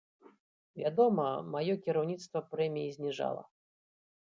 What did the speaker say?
Вядома, маё кіраўніцтва прэміі зніжала.